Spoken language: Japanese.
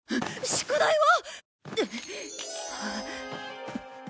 宿題は！？